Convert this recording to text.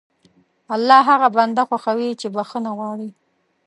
الله هغه بنده خوښوي چې بښنه غواړي.